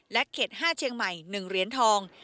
เขต๕เชียงใหม่๑เหรียญทอง